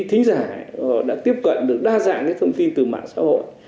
thính giả họ đã tiếp cận được đa dạng thông tin từ mạng xã hội